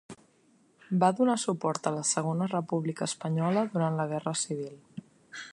Va donar suport a la Segona República Espanyola durant la guerra civil.